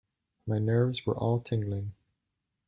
My nerves were all tingling.